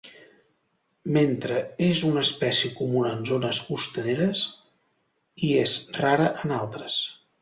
Mentre és una espècie comuna en zones costaneres hi és rara en altres.